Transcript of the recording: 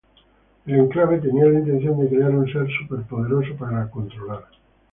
El Enclave tenía la intención de crear un ser super poderoso para controlar.